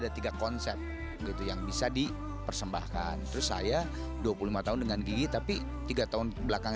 ada tiga konsep gitu yang bisa dipersembahkan terus saya dua puluh lima tahun dengan gigi tapi tiga tahun belakang